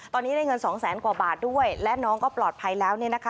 ตอนนี้ได้เงินสองแสนกว่าบาทด้วยและน้องก็ปลอดภัยแล้วเนี่ยนะคะ